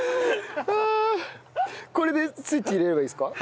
これでスイッチ入れればいいですか？